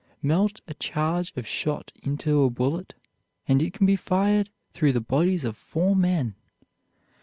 Melt a charge of shot into a bullet, and it can be fired through the bodies of four men.